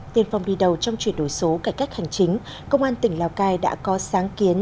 tiên phong đi đầu trong chuyển đổi số cải cách hành chính công an tỉnh lào cai đã có sáng kiến